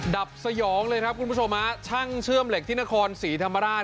ดับสยองคุณผู้ชมะช่างเชื่อมเหล็กที่นครศรีธรรมดาส